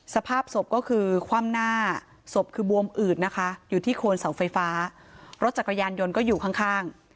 สภาพศพก็คือคว่ำหน้าศพคือบวมอืดนะคะอยู่ที่โคนเสาไฟฟ้ารถจักรยานยนต์ก็อยู่ข้าง